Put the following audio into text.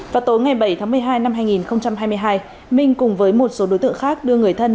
vào tối ngày bảy tháng một mươi hai năm hai nghìn hai mươi hai minh cùng với một số đối tượng khác đưa người thân